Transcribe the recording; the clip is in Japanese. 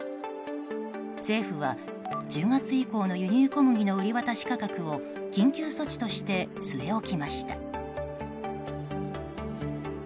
政府は１０月以降の輸入小麦の売り渡し価格を緊急措置として据え置きました。